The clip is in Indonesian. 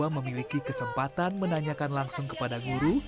memiliki kesempatan menanyakan langsung kepada guru